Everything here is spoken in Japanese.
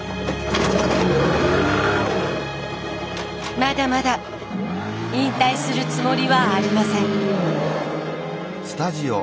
まだまだ引退するつもりはありません。